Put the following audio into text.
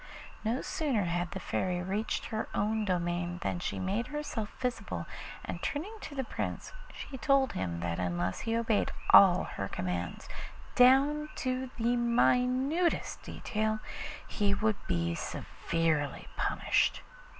No sooner had the Fairy reached her own domain than she made herself visible, and turning to the Prince she told him that unless he obeyed all her commands down to the minutest detail he would be severely punished.